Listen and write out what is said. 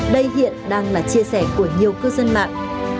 đây hiện đang là chia sẻ của nhiều cư dân mạng